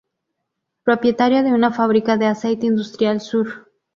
Propietario de una fábrica de Aceite Industrial Sur.